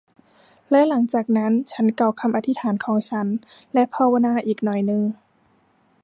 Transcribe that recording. และหลังจากนั้นฉันกล่าวคำอธิษฐานของฉัน และภาวนาอีกหน่อยนึง